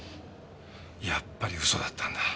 やっぱり嘘だったんだ。